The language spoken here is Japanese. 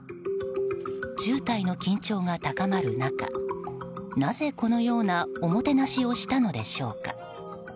中台の緊張が高まる中、なぜこのようなおもてなしをしたのでしょうか。